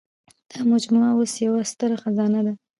دا مجموعه اوس یوه ستره خزانه ده.